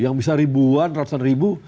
yang bisa ribuan ratusan ribu